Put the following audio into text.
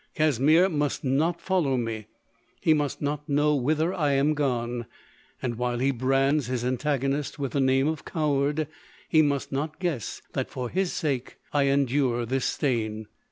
Casimir must not follow me; he must not know whither I am gone ; and while he brands his antagonist with the name of coward, he must not guess that for his sake I endure this stain.